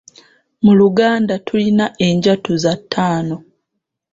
Mu Luganda tulina enjatuza ttaano.